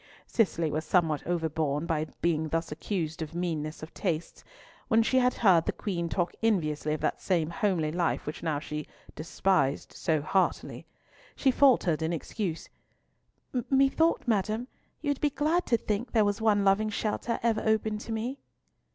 Cicely was somewhat overborne by being thus accused of meanness of tastes, when she had heard the Queen talk enviously of that same homely life which now she despised so heartily. She faltered in excuse, "Methought, madam, you would be glad to think there was one loving shelter ever open to me."